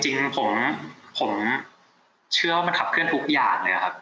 จริงผมเชื่อว่ามันขับเคลื่อนทุกอย่างเลยครับ